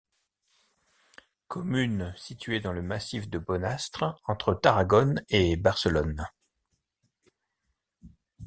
Commune située dans le Massif de Bonastre entre Tarragone et Barcelonne.